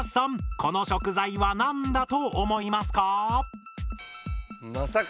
この食材は何だと思いますか？